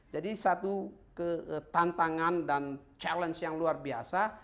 jadi satu tantangan dan challenge yang luar biasa